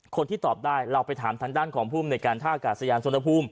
คนที่ตอบได้เราไปถามทางด้านของภูมิในการท่ากาศยานสวนภูมิ